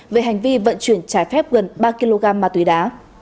về hành vi vận chuyển trái phép gần ba kg ma túy đá